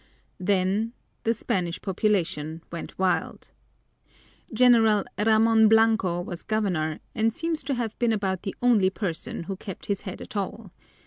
Then the Spanish population went wild. General Ramon Blanco was governor and seems to have been about the only person who kept his head at all.